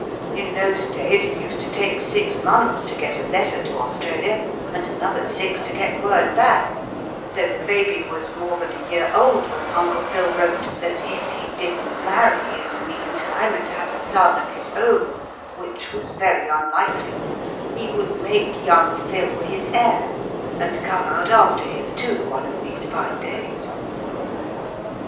In those days it used to take six months to get a letter to Australia, and another six to get word back, so the baby was more than a year old when Uncle Phil wrote that if he didn't marry in the meantime and have a son of his own which was very unlikely he would make young Phil his heir and come out after him, too, one of these fine days."